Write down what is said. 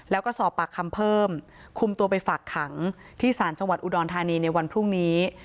แล้วก็สอบปากคำเพิ่มคุมตัวไปฝากขังที่ศาลจังหวัดอุดรธานีในวันพรุ่งนี้